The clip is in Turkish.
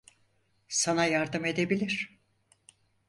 Sana yardım edebilir.